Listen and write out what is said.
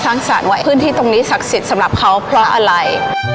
สารว่าพื้นที่ตรงนี้ศักดิ์สิทธิ์สำหรับเขาเพราะอะไร